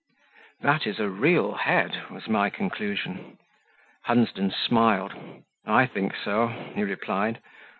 "That is a real head," was my conclusion. Hunsden smiled. "I think so," he replied.